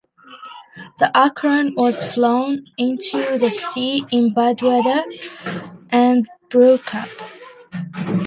The "Akron" was flown into the sea in bad weather and broke up.